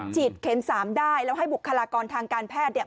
ฉีดเข็มสามได้แล้วให้บุคลากรทางการแพทย์